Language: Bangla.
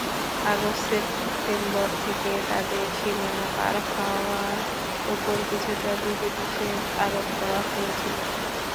আগস্ট-সেপ্টেম্বর থেকে তাঁদের সীমানা পার হওয়ার ওপর কিছুটা বিধিনিষেধ আরোপ করা হয়েছিল।